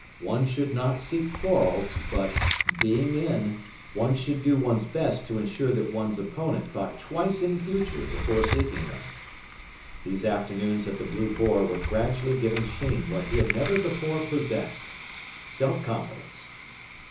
One should not seek quarrels, but, "being in," one should do one's best to ensure that one's opponent thought twice in future before seeking them. These afternoons at the "Blue Boar" were gradually giving Sheen what he had never before possessed self confidence.